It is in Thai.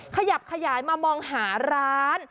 ขยับขยายมามองหาร้าน